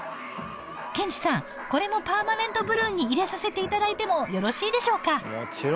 ケンチさんこれもパーマネントブルーに入れさせていただいてもよろしいでしょうか？